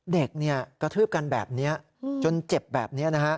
เด็กกระทืบกันแบบนี้จนเจ็บแบบนี้